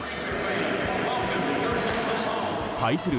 対する